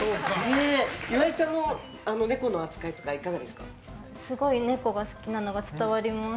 岩井さんのネコの扱いとかすごいネコが好きなのが伝わります。